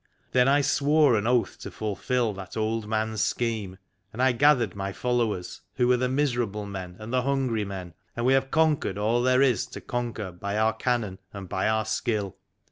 Then I sivore an oath to fulfil that old man's scheme, and I gathered my followers, who were the miserable men, and the hungry men, and we have conquered all there is to conquer by our cannon and by our skill.